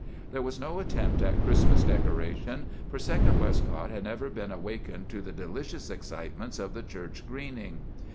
"There was no attempt at Christmas decoration, for Second Westcock had never been awakened to the delicious excitements of the church greening.